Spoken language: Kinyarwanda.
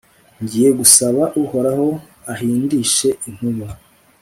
ngiye gusaba uhoraho ahindishe inkuba